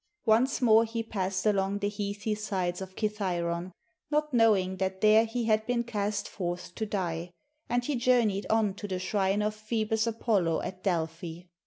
Once more he passed along the heathy sides of Kithairon, not knowing that there he had been cast forth to die ; and he journeyed on to the shrine of Phoebus Apollo at Delplii.